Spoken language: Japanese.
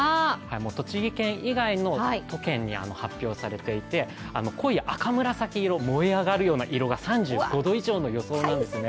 栃木県以外の都県に発表されていて、濃い赤紫色燃え上がるような色が３５度以上の予想なんですね。